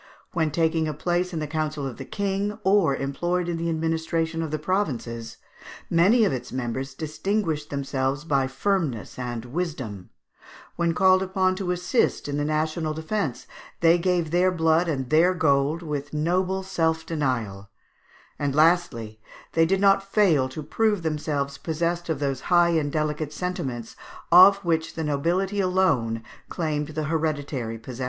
When taking a place in the council of the King, or employed in the administration of the provinces, many of its members distinguished themselves by firmness and wisdom; when called upon to assist in the national defence, they gave their blood and their gold with noble self denial; and lastly, they did not fail to prove themselves possessed of those high and delicate sentiments of which the nobility alone claimed the hereditary possession.